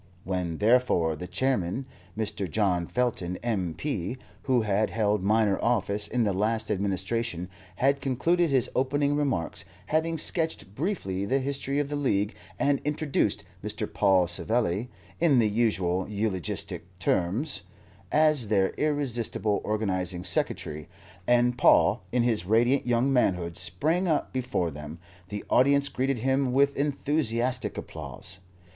When, therefore, the Chairman, Mr. John Felton, M.P., who had held minor office in the last administration, had concluded his opening remarks, having sketched briefly the history of the League and introduced Mr. Paul Savelli, in the usual eulogistic terms, as their irresistible Organizing Secretary, and Paul in his radiant young manhood sprang up before them, the audience greeted him with enthusiastic applause.